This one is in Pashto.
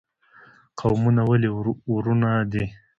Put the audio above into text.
قومونه ولې ورونه دي؟